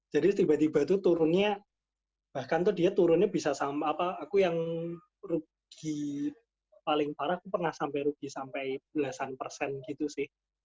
jadi tiba tiba tuh turunnya bahkan tuh dia turunnya bisa sama apa aku yang rugi paling parah aku pernah sampai rugi sampai belasan persen gitu sih